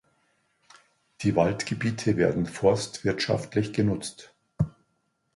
Die Waldgebiete werden forstwirtschaftlich genutzt.